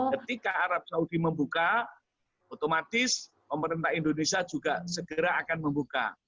ketika arab saudi membuka otomatis pemerintah indonesia juga segera akan membuka